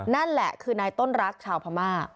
นั่นแหละคือนายต้นรักชาวพม่า